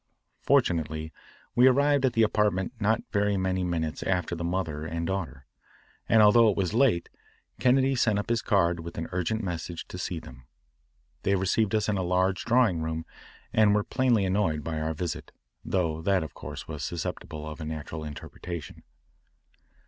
Fortunately we arrived at the apartment not very many minutes after the mother and daughter, and although it was late, Kennedy sent up his card with an urgent message to see them. They received us in a large drawing room and were plainly annoyed by our visit, though that of course was susceptible of a natural interpretation.